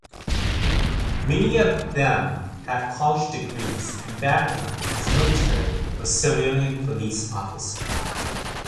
Many of them have college degrees and backgrounds as military or civilian police officers.